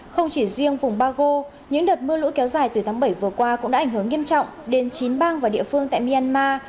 không chỉ riêng vùng bago những đợt mưa lũ kéo dài từ tháng bảy vừa qua cũng đã ảnh hưởng nghiêm trọng đến chín bang và địa phương tại myanmar